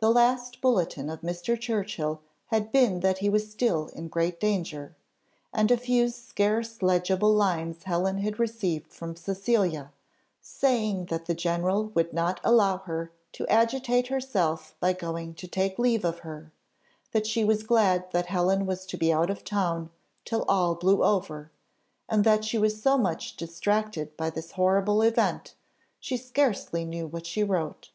The last bulletin of Mr. Churchill had been that he was still in great danger, and a few scarce legible lines Helen had received from Cecilia, saying that the general would not allow her to agitate herself by going to take leave of her, that she was glad that Helen was to be out of town till all blew over, and that she was so much distracted by this horrible event, she scarcely knew what she wrote.